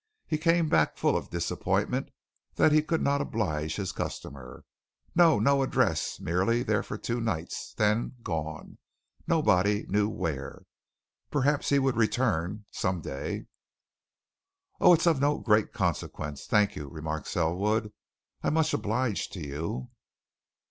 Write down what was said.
He came back full of disappointment that he could not oblige his customer. No no address merely there for two nights then gone nobody knew where. Perhaps he would return some day. "Oh, it's of no great consequence, thank you," remarked Selwood. "I'm much obliged to you."